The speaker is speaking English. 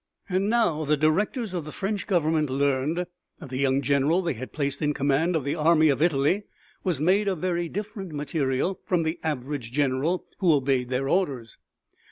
And now the Directors of the French Government learned that the young general they had placed in command of the Army of Italy was made of very different material from the average general who obeyed their orders.